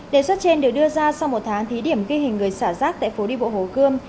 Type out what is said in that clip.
đề xuất trên được đưa ra sau một tháng thí điểm ghi hình người xả rác tại phố đi bộ hồ gươm